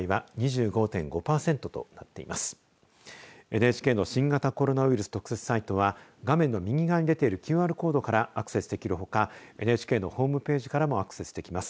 ＮＨＫの新型コロナウイルス特設サイトは画面の右側に出ているＱＲコードからアクセスできるほかＮＨＫのホームページからもアクセスできます。